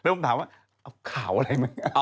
ผมเริ่มถามว่าข่าวอะไรมั้ง